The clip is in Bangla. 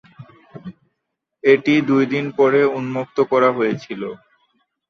এটি দুইদিন পরে উন্মুক্ত করা হয়েছিল।